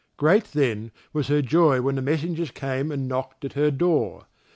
Great, then, was her joy when the messengers came and knocked at her door.